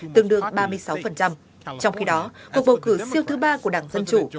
tương đương ba mươi sáu trong khi đó cuộc bầu cử siêu thứ ba của đảng dân chủ